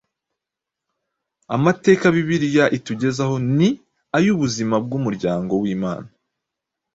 Amateka Bibiliya itugezaho ni ay‟ubuzima bw‟umuryango w‟Imana